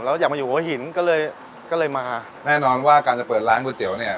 แล้วอยากมาอยู่หัวหินก็เลยก็เลยมาแน่นอนว่าการจะเปิดร้านก๋วยเตี๋ยวเนี่ย